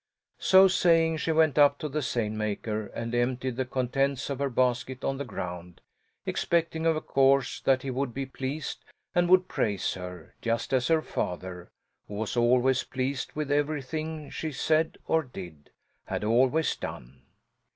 So saying, she went up to the seine maker and emptied the contents of her basket on the ground, expecting of course that he would be pleased and would praise her, just as her father who was always pleased with everything she said or did had always done.